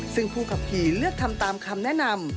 ซึ่งผู้ขับขี่เลือกทำตามคำแนะนำ